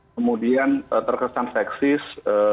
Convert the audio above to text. kemudian terkesan seksis